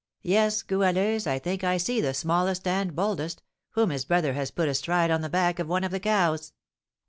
"Yes, Goualeuse, and I think I see the smallest and boldest, whom his brother has put astride on the back of one of the cows."